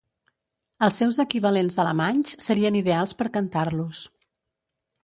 Els seus equivalents alemanys serien ideals per cantar-los.